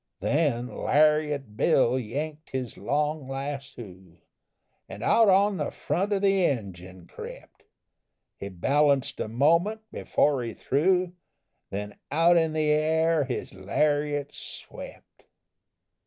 Then Lariat Bill yanked his long lassoo, An' out on the front of the engine crept He balanced a moment before he threw, Then out in the air his lariat swept!"